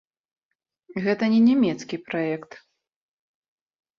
Гэта не нямецкі праект.